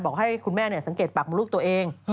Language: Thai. บอกให้คุณแม่เนี่ยสังเกตปากบนลูกตัวเอง